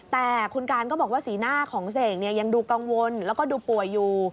แต่คุณการก็บอกว่าสีหน้าของเสกยังดูกังวลแล้วก็ดูป่วยอยู่